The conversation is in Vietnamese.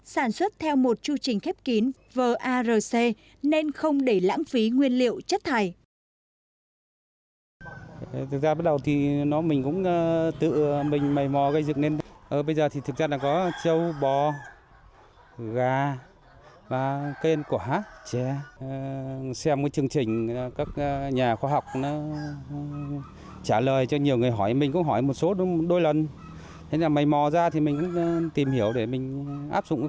sản xuất theo một chư trình khép kín varc nên không để lãng phí nguyên liệu chất thải